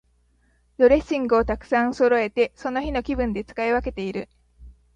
ドレッシングをたくさんそろえて、その日の気分で使い分けている。